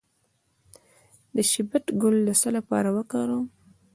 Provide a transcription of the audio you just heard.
د شبت ګل د څه لپاره وکاروم؟